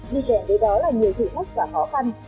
đi kèm với đó là nhiều thử thách và khó khăn